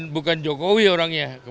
bukan jokowi orangnya